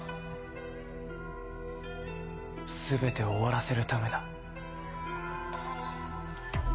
全て終わらせるためだ。